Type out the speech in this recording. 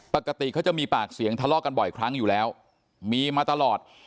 ปกติเขาจะมีปากเสียงทะเลาะกันบ่อยครั้งอยู่แล้วมีมาตลอด